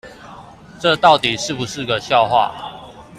這到底是不是個笑話